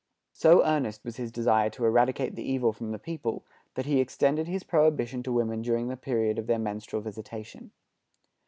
So earnest was his desire to eradicate the evil from the people, that he extended his prohibition to women during the period of their menstrual visitation.